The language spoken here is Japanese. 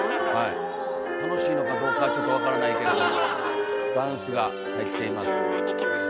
楽しいのかどうかちょっと分からないけれどダンスが入っています。